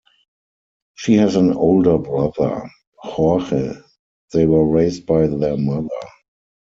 She has an older brother, Jorge; they were raised by their mother.